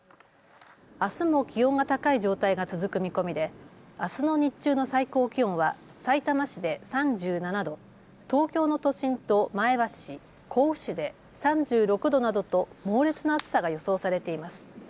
あすも気温が高い状態が続く見込みであすの日中の最高気温はさいたま市で３７度、東京の都心と前橋市、甲府市で３６度などと猛烈な暑さが予想されています。